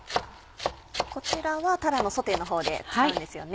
こちらはたらのソテーのほうで使うんですよね？